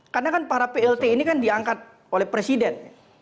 karena kan para plt ini kan diangkat oleh presiden